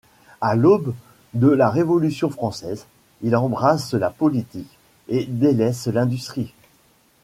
À l'aube de la Révolution française, il embrasse la politique, et délaisse l'industrie.